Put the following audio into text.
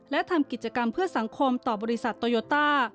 และทำกิจกรรมเพื่อสังคมต่อบริษัทโตโยต้า